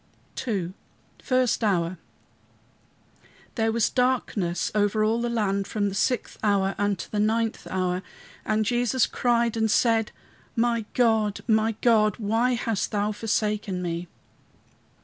II FIRST HOUR "There was darkness over all the land from the sixth hour unto the ninth hour. "And Jesus cried and said, My God, my God, why hast thou forsaken me?"